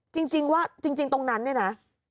จริงว่าจริงตรงนั้นเนี่ยนะ